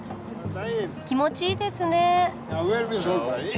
気持ちいいですね。